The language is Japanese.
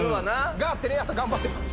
がテレ朝頑張ってます。